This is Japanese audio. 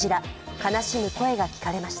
悲しむ声が聞かれました。